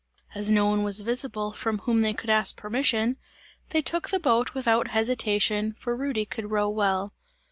As no one was visible, from whom they could ask permission, they took the boat without hesitation, for Rudy could row well.